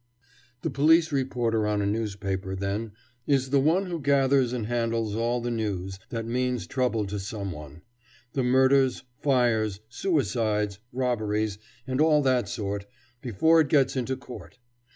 The police reporter on a newspaper, then, is the one who gathers and handles all the news that means trouble to some one: the murders, fires, suicides, robberies, and all that sort, before it gets into court.